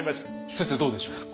先生どうでしょうか？